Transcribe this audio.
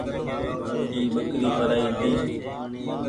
اي ٻڪري پرآئي هيتي۔